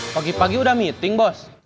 pagi pagi udah meeting bos